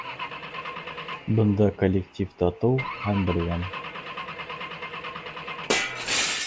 Бында коллектив татыу һәм берҙәм.